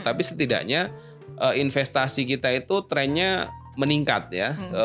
tapi setidaknya investasi kita itu trennya meningkat ya